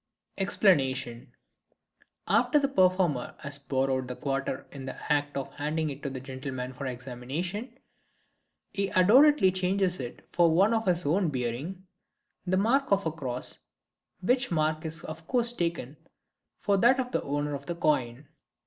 Explanation.—After the performer has borrowed the quarter in the act of handing it to the gentleman for examination, he adroitly changes it for one of his own bearing the mark of the cross, which mark is of course taken for that of the owner of the coin.